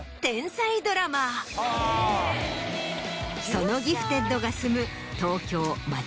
そのギフテッドが住む。